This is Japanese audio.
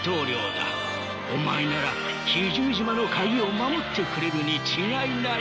お前なら奇獣島の鍵を守ってくれるに違いない。